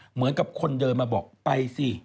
เหมือนกับคนเดินมาบอกไปสิ